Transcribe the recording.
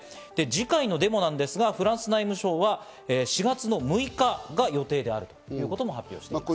次回の情報ですが、フランス内務省は４月の６日が予定であるということも発表しています。